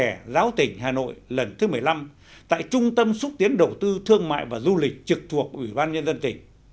tại sao các nhà thờ công giáo tỉnh hà nội lần thứ một mươi năm tại trung tâm xúc tiến đầu tư thương mại và du lịch trực thuộc ủy ban nhân dân tỉnh